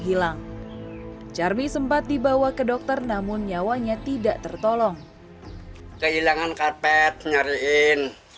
hilang carmi sempat dibawa ke dokter namun nyawanya tidak tertolong kehilangan karpet nyariin